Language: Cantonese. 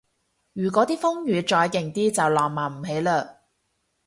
如嗰啲風雨再勁啲就浪漫唔起嘞